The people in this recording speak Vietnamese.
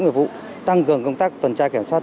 nguyện vụ tăng cường công tác tuần trai kiểm soát